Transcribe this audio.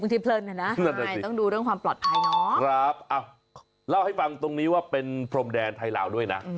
ต้องดูเรื่องความปลอดภัยเนาะเล่าให้ฟังตรงนี้ว่าเป็นพรมแดนไทยลาวด้วยนะ